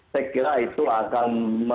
sekiranya itu akan